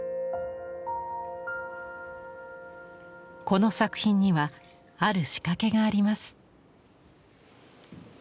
この作品にはある仕掛けがあります。